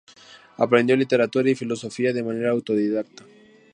Aprendió literatura y filosofía de manera autodidacta.